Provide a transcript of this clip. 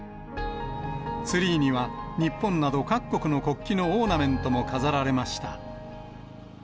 ツリーには、日本など各国の国旗のオーナメントも飾られました。